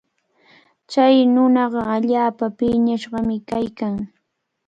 Chay nunaqa allaapa piñashqami kaykan.